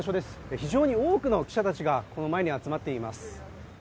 非常に多くの記者たちが、この前に集まっています。